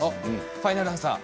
ファイナルアンサー？